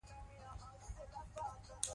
زه د پښتو ژبې په اړه څېړنه کوم.